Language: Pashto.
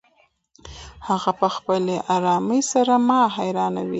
هغه په خپلې ارامۍ سره ما حیرانوي.